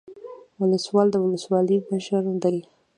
ولسوال د ولسوالۍ مشر دی